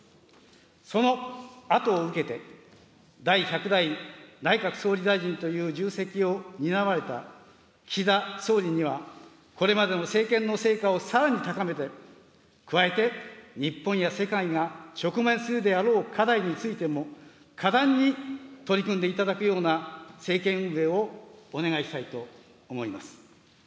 そのあとを受けて、第１００代内閣総理大臣という重責を担われた岸田総理には、これまでの政権の成果をさらに高めて、加えて日本や世界が直面するであろう課題についても、果断に取り組んでいただくような政権運営をお願いしたいと思います。